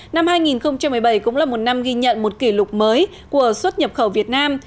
năm hai nghìn một mươi bảy cũng là một năm ghi nhận một kỷ lục mới của xuất nhập khẩu việt nam